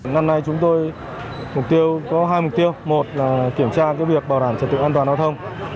năm nay chúng tôi mục tiêu có hai mục tiêu một là kiểm tra việc bảo đảm trật tự an toàn giao thông